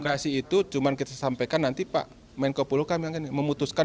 dekomunikasi itu cuma kita sampaikan nanti pak menko puluh kami akan memutuskan